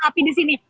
api di sini